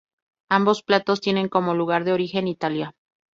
Ambos platos tienen como lugar de origen Italia.